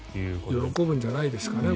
喜ぶんじゃないですかね。